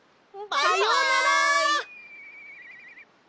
さようなら！